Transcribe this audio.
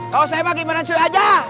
kalau saya mah gimana sih aja